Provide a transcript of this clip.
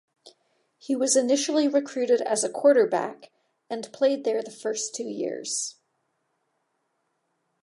He was initially recruited as a quarterback and played there the first two years.